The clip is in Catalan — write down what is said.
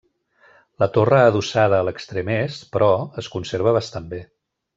La torre adossada a l'extrem est, però, es conserva bastant bé.